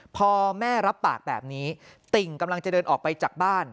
พอแม่รับปากแบบนี้ติ่งกำลังจะเดินออกไปจากบ้าน